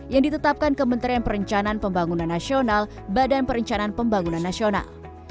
yang ditetapkan kementerian perencanaan pembangunan nasional badan perencanaan pembangunan nasional